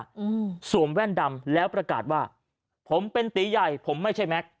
อืมสวมแว่นดำแล้วประกาศว่าผมเป็นตีใหญ่ผมไม่ใช่แม็กซ